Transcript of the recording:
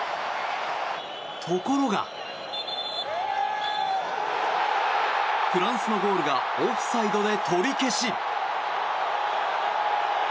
ところが、フランスのゴールがオフサイドで取り消し。